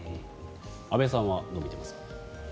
安部さんはどう見ていますか。